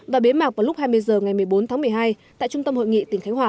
và bế mạc vào lúc hai mươi h ngày một mươi bốn tháng một mươi hai tại trung tâm hội nghị tỉnh khánh hòa